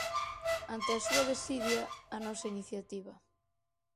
Ante a súa desidia, a nosa iniciativa.